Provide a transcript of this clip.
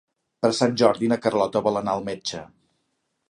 Per Sant Jordi na Carlota vol anar al metge.